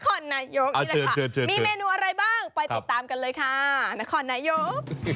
นายกนี่แหละค่ะมีเมนูอะไรบ้างไปติดตามกันเลยค่ะนครนายก